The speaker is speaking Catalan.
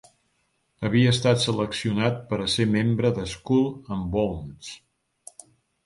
Havia estat seleccionat per a ser membre de Skull and Bones.